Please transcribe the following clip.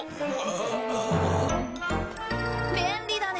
便利だね。